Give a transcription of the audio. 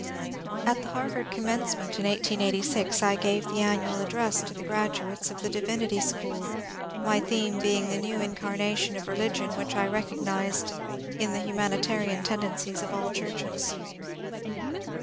At the Harvard Commencement in 1886 I gave the annual address to the graduates of the Divinity School, my theme being the new incarnation of religion which I recognized in the humanitarian tendencies of all churches.